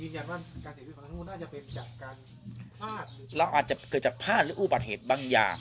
อินยันว่าการเสียชีวิตของทุกคนน่าจะเป็นจากการพลาดหรืออุบัติเหตุบางอย่าง